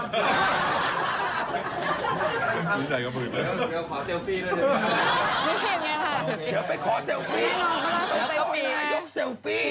เดี๋ยวไปขอเซลฟี่